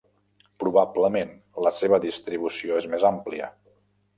Probablement la seva distribució és més àmplia.